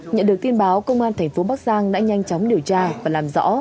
nhận được tin báo công an tp bắc giang đã nhanh chóng điều tra và làm rõ